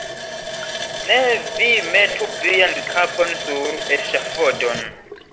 Ne vi metu vian kapon sur eŝafodon.